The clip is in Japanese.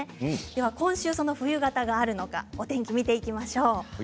今週、その冬型があるのかお天気を見ていきましょう。